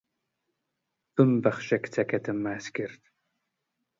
ببمبەخشە کچەکەتم ماچ کرد